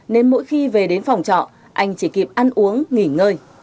nên mỗi khi về đến phòng trọ anh chỉ kịp ăn uống nghỉ ngơi